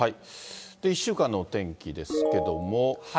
１週間のお天気ですけども。